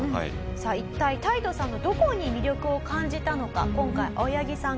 さあ一体タイトさんのどこに魅力を感じたのか今回。